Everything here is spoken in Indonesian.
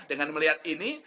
dengan melihat ini